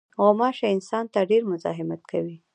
غوماشې انسان ته ډېر مزاحمت کوي.